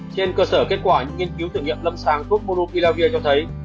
trên cơ sở kết quả nghiên cứu thử nghiệm lâm sáng thuốc monopilavir cho thấy